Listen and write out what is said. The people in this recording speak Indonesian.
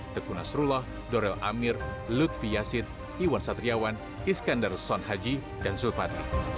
tegu nasrullah dorel amir lutfi yasid iwan satriawan iskandar sonhaji dan zulfat